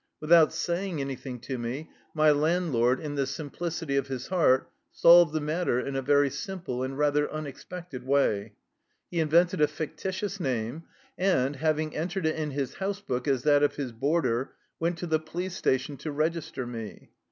Without saying anything to me, my landlord, in the simplicity of his heart, solved the matter in a very simple and rather unexpected way. He invented a fictitious name, and, having entered it in his housebook as that of his boarder, went to the police station to register me.